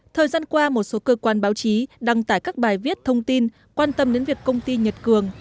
thời gian qua một số cơ quan báo chí đăng tải các bài viết thông tin quan tâm đến việc công ty nhật cường